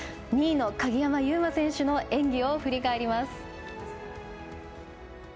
２位の鍵山優真選手の演技を振り返ります。